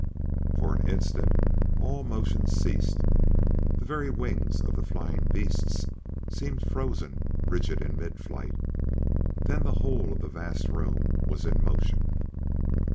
For an instant all motion ceased; the very wings of the flying beasts seemed frozen rigid in mid flight. Then the whole of the vast room was in motion.